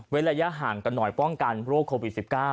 ระยะห่างกันหน่อยป้องกันโรคโควิด๑๙